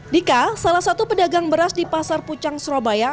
dika salah satu pedagang beras di pasar pucang surabaya